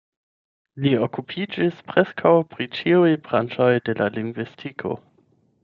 Li okupiĝis preskaŭ pri ĉiuj branĉoj de la lingvistiko.